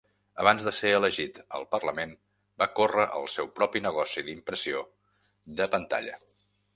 Abans de ser elegit al Parlament, va córrer el seu propi negoci d'impressió de pantalla.